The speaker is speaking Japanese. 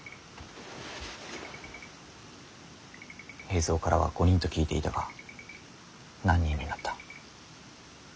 平三からは５人と聞いていたが何人になった。